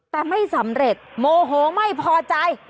แต่ไม่สำเร็จโมโหไม่พอใจ